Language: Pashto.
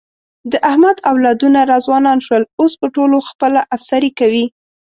د احمد اولادونه را ځوانان شول، اوس په ټولو خپله افسري کوي.